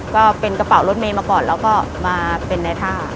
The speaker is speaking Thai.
ก็เป็นกระเป๋ารถเมย์มาก่อนแล้วก็มาเป็นในท่า